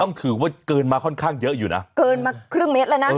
ถือว่าเกินมาค่อนข้างเยอะอยู่นะเกินมาครึ่งเมตรแล้วนะ